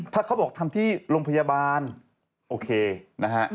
ถ้าเขาบอกทำที่โรงพยาบาลโอเคนะฮะ